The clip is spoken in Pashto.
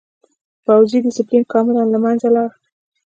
پوځي ډسپلین کاملاً له منځه لاړ.